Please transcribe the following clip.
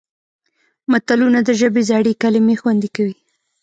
متلونه د ژبې زړې کلمې خوندي کوي